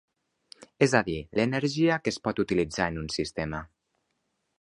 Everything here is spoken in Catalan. És a dir, l'energia que es pot utilitzar en un sistema.